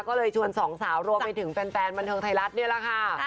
ก็เลยชวนสองสาวรวมไปถึงแฟนบันเทิงไทยรัฐนี่แหละค่ะ